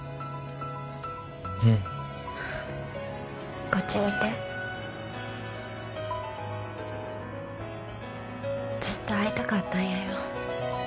うんこっち見てずっと会いたかったんやよ